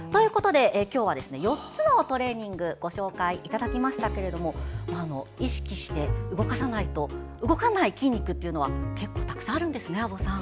今日は４つのトレーニングをご紹介いただきましたが意識して動かさないと動かない筋肉は結構たくさんあるんですね。